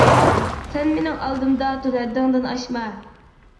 سەن مېنىڭ ئالدىمدا تولا ھەددىڭدىن ئاشما.